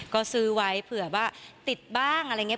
ก็ซื้อไว้เผื่อว่าติดบ้างอะไรอย่างนี้